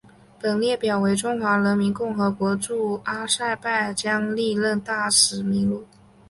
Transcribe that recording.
本列表为中华人民共和国驻阿塞拜疆历任大使名录。